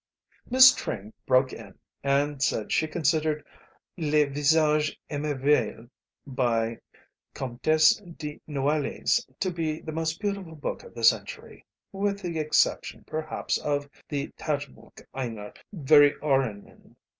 Miss Tring broke in and said she considered "Le Visage Emerveille," by the Comtesse de Noailles, to be the most beautiful book of the century, with the exception, perhaps, of the "Tagebuch einer Verlorenen."